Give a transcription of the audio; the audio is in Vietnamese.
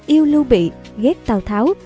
yêu lưu bị ghét tào tháo